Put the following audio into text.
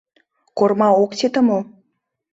— Корма ок сите мо?